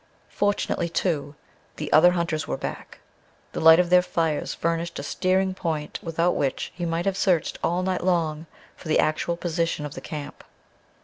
Fortunately, too, the other hunters were back. The light of their fires furnished a steering point without which he might have searched all night long for the actual position of the camp.